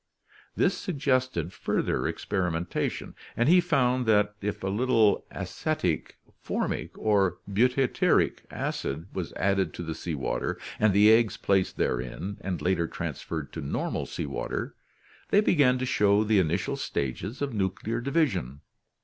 This suggested further experimentation, and he found that if a little acetic, formic, or butyric acid was added to the sea water and the eggs placed therein and later transferred to normal sea water they began to show the initial stages of nuclear division.